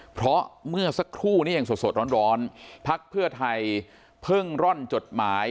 เพราะเมื่อสักครู่นี้ยังสดร้อนพักเพื่อไทยเพิ่งร่อนจดหมาย